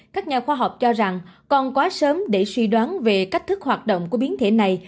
các nhà khoa học cho rằng còn quá sớm để suy đoán về cách thức hoạt động của biến thể này